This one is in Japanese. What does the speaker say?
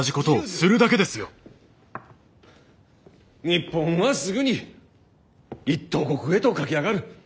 日本はすぐに一等国へと駆け上がる。